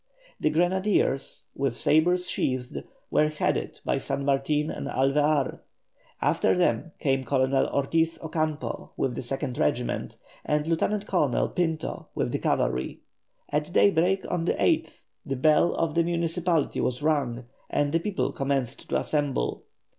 The grenadiers, with sabres sheathed, were headed by San Martin and Alvear; after them came Colonel Ortiz Ocampo with the 2nd regiment, and Lieutenant Colonel Pinto with the cavalry. At daybreak on the 8th, the bell of the municipality was rung and the people commenced to assemble.